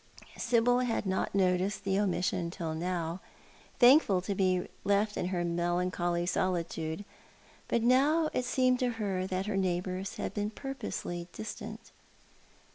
Sibyl had not noticed the omission till now, thankful to be left in her melancholy solitude; but now it seemed to her that her neighbours had been pur posely distant.